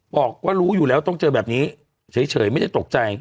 บอกว่ารู้อยู่แล้วต้องเจอแบบนี้เฉยไม่ได้ตกใจ